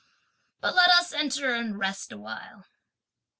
But let us enter and rest a while."